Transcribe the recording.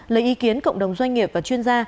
lấy ý kiến cộng đồng doanh nghiệp và chuyên gia